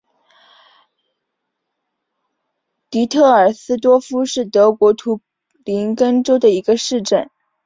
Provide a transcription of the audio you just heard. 迪特尔斯多夫是德国图林根州的一个市镇。